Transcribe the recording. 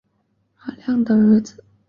马亮的儿子